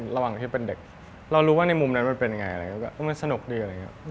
ระหว่างที่เป็นเด็กเรารู้ว่าในมุมนั้นมันเป็นยังไงมันสนุกดี